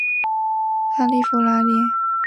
塞尔维亚王国又在保加利亚之后统治弗拉涅。